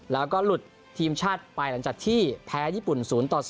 แล้วก็หลุดทีมชาติไปหลังจากที่แพ้ญี่ปุ่น๐ต่อ๒